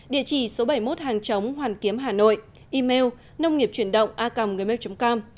địa chỉ số bảy mươi một hàng chống hoàn kiếm hà nội email nông nghiệpchuyểnđộngacom com